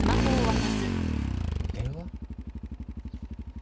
電話？